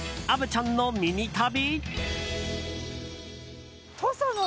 虻ちゃんのミニ旅。